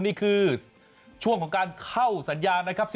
นี่คือช่วงของการเข้าสัญญาณนะครับ